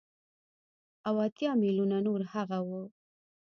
او اتيا ميليونه نور هغه وو.